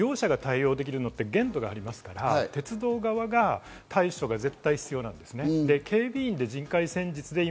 あとは利用者が対応できるのは限度がありますから、鉄道側が対処が絶対必要なんです。